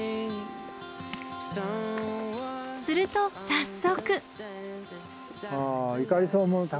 すると早速。